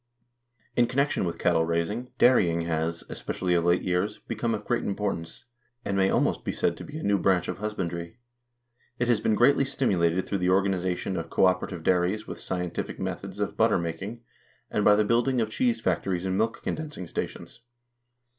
In connection with cattle raising, dairy ing has, especially of late years, become of great importance, and may almost be said to be a new branch of husbandry. It has been greatly stimulated through the organization of cooperative dairies with scientific methods of butter making, and by the building of cheese factories and milk condensing stations.